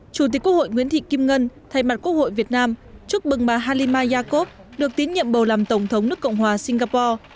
chủ tịch quốc hội nguyễn thị kim ngân thay mặt quốc hội việt nam chúc mừng bà halima yakov được tín nhiệm bầu làm tổng thống nước cộng hòa singapore